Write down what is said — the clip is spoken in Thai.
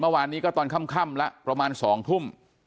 เมื่อวานนี้ก็ตอนค่ำแล้วประมาณ๒ทุ่ม